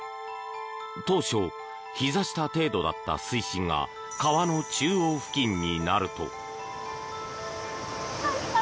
当初、ひざ下程度だった水深が川の中央付近になると。